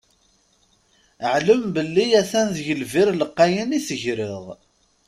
Ɛlem belli a-t-an deg lbir lqayen i tegreɣ.